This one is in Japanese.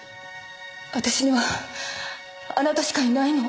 私にはあなたしかいないの。